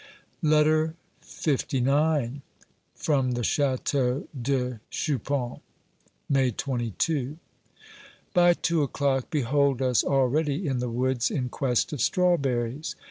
LETTER LIX From the Chateau de Chupan, May 22. By two o'clock behold us already in the woods in quest of strawberries.